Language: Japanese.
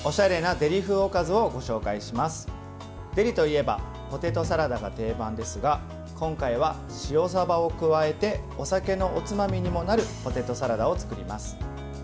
デリといえばポテトサラダが定番ですが今回は塩さばを加えてお酒のおつまみにもなるポテトサラダを作ります。